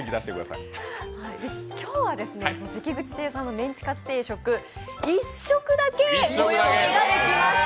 今日は関口亭さんのメンチカツ定食、１食だけご用意ができました！